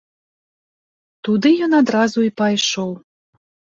Туды ён адразу і пайшоў.